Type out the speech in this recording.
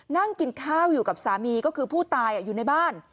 นั่งกินข้าวอยู่กับสามีก็คือผู้ตายอยู่ในบ้าน